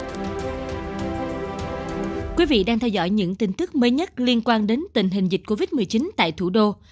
thưa quý vị đang theo dõi những tin tức mới nhất liên quan đến tình hình dịch covid một mươi chín tại thủ đô